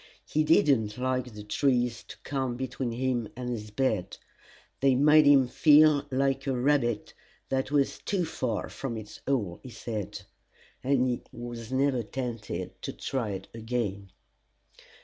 He did not like the trees to come between him and his bed: they made him feel like a rabbit that was too far from its hole, he said; and he was never tempted to try it again.